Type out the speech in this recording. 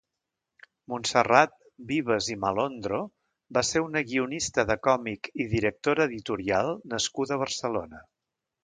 Montserrat Vives i Malondro va ser una guionista de còmic i directora editorial nascuda a Barcelona.